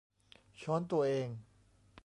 ช้อนตัวเอง